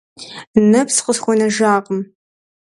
Нэпс къысхуэнэжакъым.